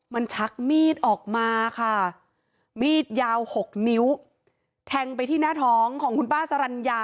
มันชักมีดออกมาค่ะมีดยาว๖นิ้วแทงไปที่หน้าท้องของคุณป้าสรรญา